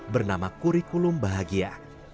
bernama kurikulum bahagia